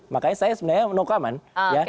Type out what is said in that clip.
makanya saya sebenarnya no comment